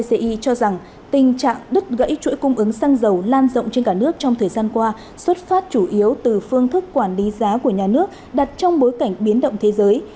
đơn vị này đề xuất doanh nghiệp là vcci cho rằng tình trạng đứt gãy chuỗi cung ứng xăng dầu lan rộng trên cả nước trong thời gian qua xuất phát chủ yếu từ phương thức quản lý giá của nhà nước đặt trong bối cảnh biến động thế giới